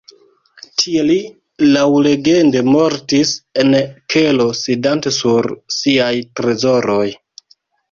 Tie li laŭlegende mortis en kelo sidante sur siaj trezoroj.